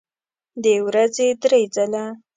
د ورځې درې ځله